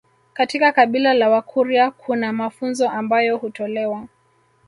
Katika kabila la wakurya kuna mafunzo ambayo hutolewa